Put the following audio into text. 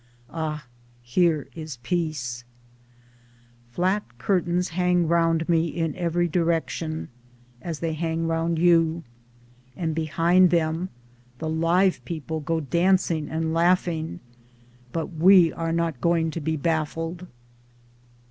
Ah ! here is peace ! Flat curtains hang round me in every direction (as they hang round you), and behind them the live people go dancing and laughing : but we are not going to be baffled.